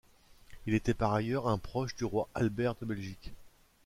Il était par ailleurs un proche du roi Albert de Belgique.